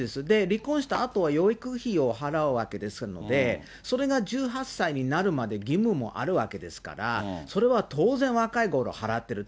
離婚したあとは養育費を払うわけですので、それが１８歳になるまで義務もあるわけですから、それは当然、若いころ払ってる。